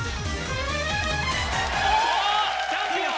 あっチャンピオン！